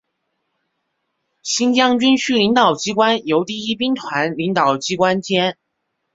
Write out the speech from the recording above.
新疆军区领导机关由第一兵团领导机关兼。